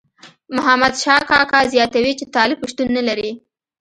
محمد شاه کاکا زیاتوي چې طالب شتون نه لري.